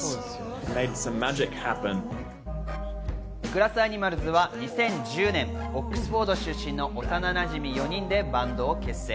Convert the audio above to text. グラス・アニマルズは２０１０年、オックスフォード出身の幼なじみ４人でバンドを結成。